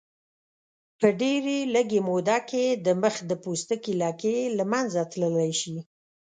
په ډېرې لږې موده کې د مخ د پوستکي لکې له منځه تللی شي.